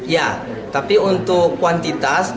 ya tapi untuk kuantitas